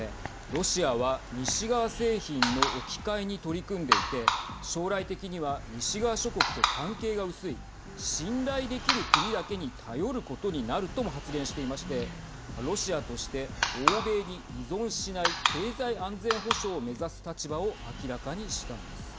ロシアは西側製品の置き換えに取り組んでいて将来的には西側諸国と関係が薄い信頼できる国だけに頼ることになるとも発言していましてロシアとして欧米に依存しない経済安全保障を目指す立場を明らかにしたんです。